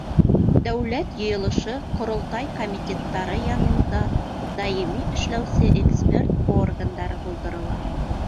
Дәүләт Йыйылышы — Ҡоролтай комитеттары янында даими эшләүсе эксперт органдары булдырыла.